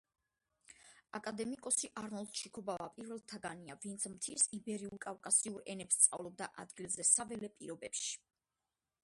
აკადემიკოსი არნოლდ ჩიქობავა პირველთაგანია, ვინც მთის იბერიულ-კავკასიურ ენებს სწავლობდა ადგილზე, საველე პირობებში.